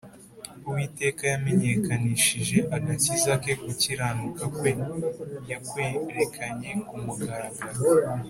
Uwiteka yamenyekanishije agakiza ke gukiranuka kwe yakwerekanye ku mugaragaro